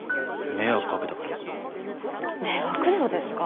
迷惑料ですか？